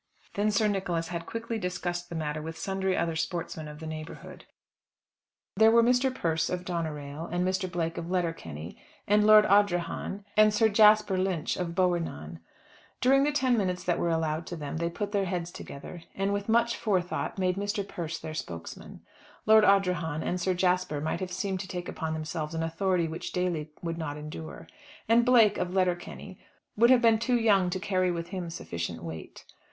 Then Sir Nicholas had quickly discussed the matter with sundry other sportsmen of the neighbourhood. There were Mr. Persse of Doneraile, and Mr. Blake of Letterkenny, and Lord Ardrahan, and Sir Jasper Lynch, of Bohernane. During the ten minutes that were allowed to them, they put their heads together, and with much forethought made Mr. Persse their spokesman. Lord Ardrahan and Sir Jasper might have seemed to take upon themselves an authority which Daly would not endure. And Blake, of Letterkenny, would have been too young to carry with him sufficient weight.